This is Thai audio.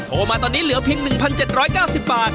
มาตอนนี้เหลือเพียง๑๗๙๐บาท